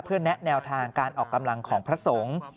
แนะแนวทางการออกกำลังของพระสงฆ์